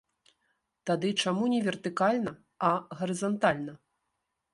Тады чаму не вертыкальна, а гарызантальна?